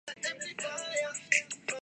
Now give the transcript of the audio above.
میری قمیض پر گندگی کا ایک نشان ہے